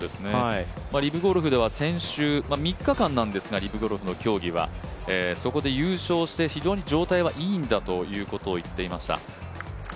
リブゴルフでは先週、リブゴルフは３日間ですがそこで優勝して非常に状態はいいんだということを言っていました。